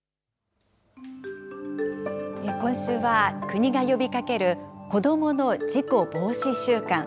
今週は国が呼びかける子どもの事故防止週間。